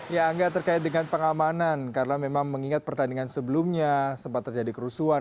ya angga terkait dengan pengamanan karena memang mengingat pertandingan sebelumnya sempat terjadi kerusuhan